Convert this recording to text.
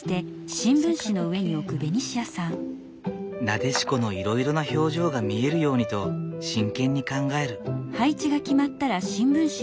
ナデシコのいろいろな表情が見えるようにと真剣に考える。